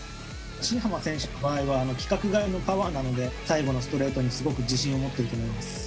新濱選手の場合は、規格外のパワーなので、最後のストレートにすごく自信を持ってると思います。